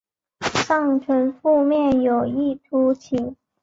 上唇腹面有一突起。